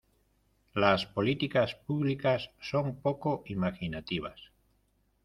Las políticas públicas son poco imaginativas.